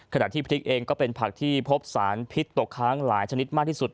ที่พริกเองก็เป็นผักที่พบสารพิษตกค้างหลายชนิดมากที่สุด